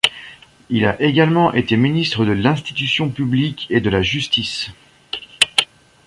Il a également été ministre de l'institution public et de la justice.